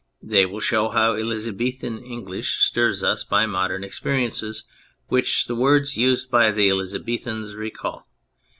They will show how Elizabethan English stirs us by modern experiences which the words used by the Elizabethans recall.